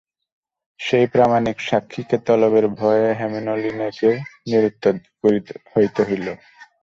সেই প্রামাণিক সাক্ষীকে তলবের ভয়ে হেমনলিনীকে নিরুত্তর হইতে হইল।